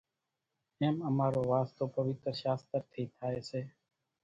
ايم امارو واسطو پويتر شاستر ٿي ٿائي سي،